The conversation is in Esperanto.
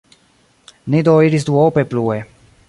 Ni do iris duope plue.